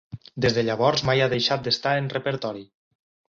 Des de llavors mai ha deixat d'estar en repertori.